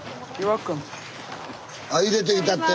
あ入れといたって。